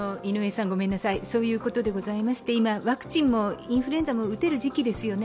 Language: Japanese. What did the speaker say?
そういうことでございまして、今ワクチンもインフルエンザも打てる時期ですよね。